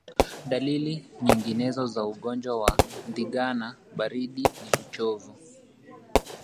Dalili nyinginezo za ugonjwa wa ndigana baridi ni uchovu